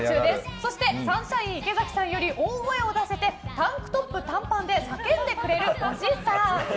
そしてサンシャイン池崎さんより大声を出せてタンクトップ短パンで叫んでくれるおじさん。